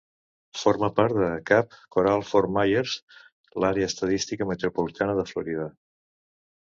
Forma part de Cap Coral-Fort Myers, l'Àrea Estadística Metropolitana de Florida.